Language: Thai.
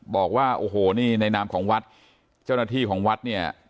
บอกว่าโอ้โหนี่ในนามของวัดเจ้าหน้าที่ของวัดเนี่ย